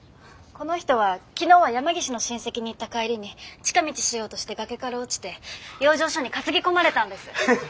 この人は昨日は山岸の親戚に行った帰りに近道しようとして崖から落ちて養生所に担ぎ込まれたんです。